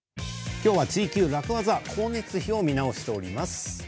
今日は「ツイＱ楽ワザ」光熱費を見直しております。